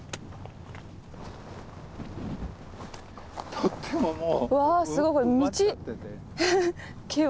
とってももう。